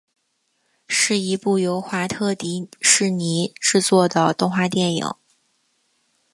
是一部由华特迪士尼制作的动画电影。